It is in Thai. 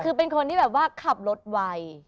คือเป็นคนที่แบบว่าขับรถไว